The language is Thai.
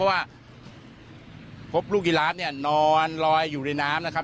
เพราะว่าพบลูกยีราฟนี่นอนลอยอยู่ในน้ำนะครับ